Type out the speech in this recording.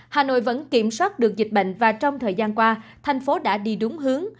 hà nội vẫn kiểm soát được dịch bệnh và trong thời gian qua thành phố đã đi đúng hướng